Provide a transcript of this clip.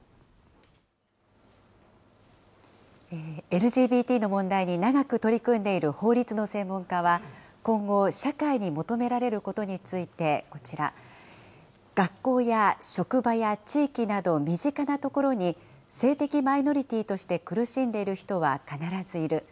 ＬＧＢＴの問題に長く取り組んでいる法律の専門家は、今後、社会に求められることについて、こちら、学校や職場や地域など身近な所に、性的マイノリティーとして苦しんでいる人は必ずいる。